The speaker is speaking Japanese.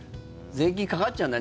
税金かかっちゃうんだ。